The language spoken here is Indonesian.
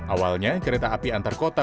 awalnya kereta api antar kota